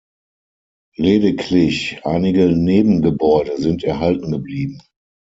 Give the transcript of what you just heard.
Lediglich einige Nebengebäude sind erhalten geblieben.